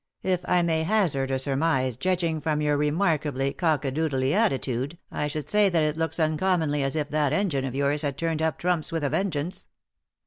If I may hazard a surmise, judging from your remarkably cock a doodly attitude, I should say that it looks uncommonly as if that engine of yours had turned up trumps with a vengeance."